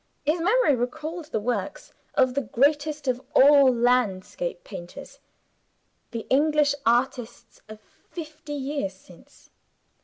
His memory recalled the works of the greatest of all landscape painters the English artists of fifty years since.